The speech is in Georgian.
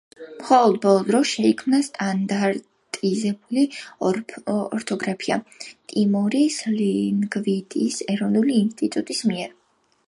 მხოლოდ ბოლო დროს შეიქმნა სტანდარტიზებული ორთოგრაფია ტიმორის ლინგვისტიკის ეროვნული ინსტიტუტის მიერ.